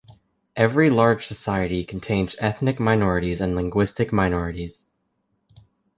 Every large society contains ethnic minorities and linguistic minorities.